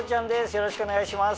よろしくお願いします。